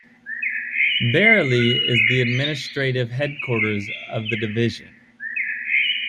Bareilly is the administrative headquarters of the division.